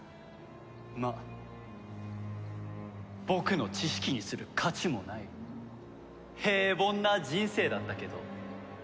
まあ僕の知識にする価値もない平凡な人生だったけど。